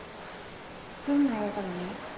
どんな映画なの？